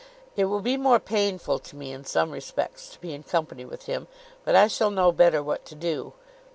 "It will be more painful to me in some respects to be in company with him, but I shall know better what to do.